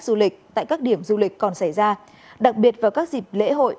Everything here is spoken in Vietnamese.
du lịch tại các điểm du lịch còn xảy ra đặc biệt vào các dịp lễ hội